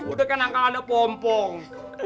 udah kena kena pompong